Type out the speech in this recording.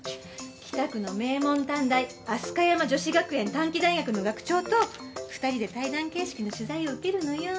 北区の名門短大飛鳥山女子学園短期大学の学長と２人で対談形式の取材を受けるのよ！